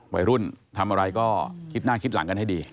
วัยรุ่นทำอะไรก็คิดหน้าคิดหลังกันให้ดี